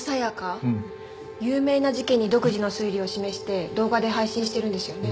有名な事件に独自の推理を示して動画で配信してるんですよね。